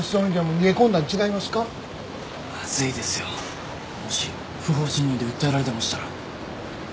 もし不法侵入で訴えられでもしたら。